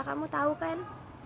kamu tau kan